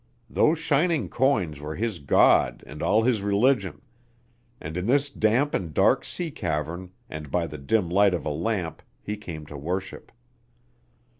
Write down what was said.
Those shining coins were his god and all his religion; and in this damp and dark sea cavern and by the dim light of a lamp he came to worship.